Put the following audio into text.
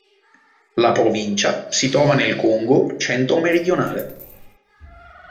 La provincia si trova nel Congo centro-meridionale.